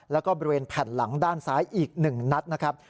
แล้วก็บริเวณแผ่นหลังด้านซ้ายอีก๑นัดนะครับ